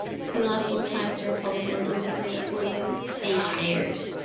He lost both times to Republican incumbent William H. Ayres.